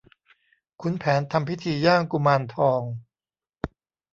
ขุนแผนทำพิธีย่างกุมารทอง